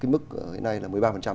mức hiện nay là một mươi ba